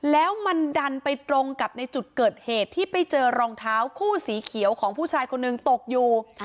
แล้วมันดันไปตรงกับในจุดเกิดเหตุที่ไปเจอรองเท้าคู่สีเขียวของผู้ชายคนหนึ่งตกอยู่